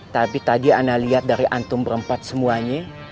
tapi tadi anda lihat dari antum berempat semuanya